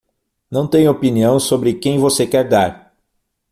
Não tenho opinião sobre quem você quer dar.